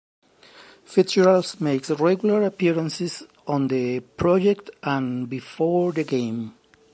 Fitzgerald makes regular appearances on "The Project" and "Before The Game".